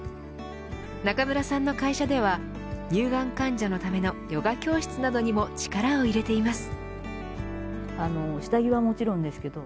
中村さんの会社では乳がん患者のためのヨガ教室などにも力を入れています。